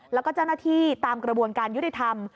แล้วก็เจ้าหน้าที่ตามกระบวนการยุติธรรม